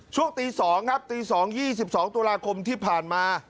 ช่วงตี๒ครับตี๒๒ตุลาคมที่ผ่านมา